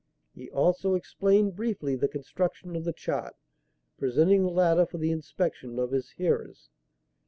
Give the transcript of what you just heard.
He also explained briefly the construction of the chart, presenting the latter for the inspection of his hearers.